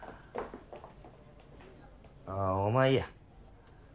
ああお前いいや。